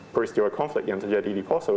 peristiwa konflik yang terjadi di poso